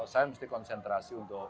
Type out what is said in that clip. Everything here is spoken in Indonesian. saya mesti konsentrasi untuk